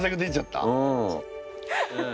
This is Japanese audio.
うん。